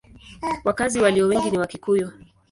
Wakazi walio wengi ni Wakikuyu.